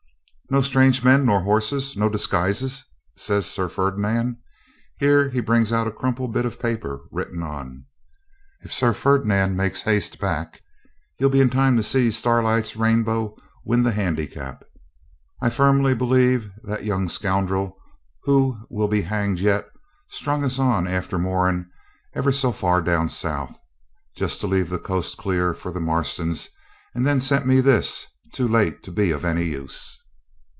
'No strange men nor horses, no disguises?' says Sir Ferdinand. Here he brings out a crumpled bit of paper, written on If sur firdnand makes haist back heel be in time to see Starlite's Raneboe win the handy capp. BILLY THE BOY. 'I firmly believe that young scoundrel, who will be hanged yet, strung us on after Moran ever so far down south, just to leave the coast clear for the Marstons, and then sent me this, too late to be of any use.'